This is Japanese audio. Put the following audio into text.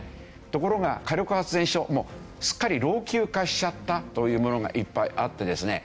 ところが火力発電所もすっかり老朽化しちゃったというものがいっぱいあってですね。